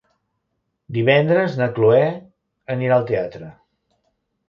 Divendres na Cloè anirà al teatre.